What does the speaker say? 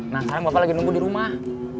nah sekarang bapak lagi nunggu di rumah